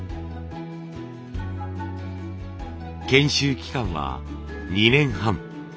研修期間は２年半。